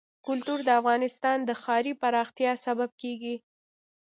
کلتور د افغانستان د ښاري پراختیا سبب کېږي.